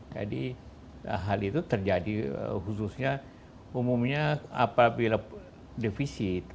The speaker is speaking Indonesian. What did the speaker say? jadi hal itu terjadi khususnya umumnya apabila defisit